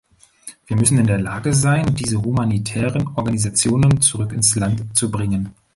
Wir müssen in der Lage sein, diese humanitären Organisationen zurück ins Land zu bringen.